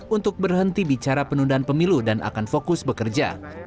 untuk berhenti bicara penundaan pemilu dan akan fokus bekerja